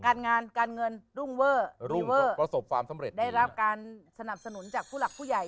การงานการเงินรุ่งเวอร์ได้รับการสนับสนุนจากผู้หลักผู้ใหญ่